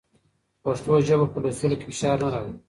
پښتو ژبه په لوستلو کې فشار نه راوړي.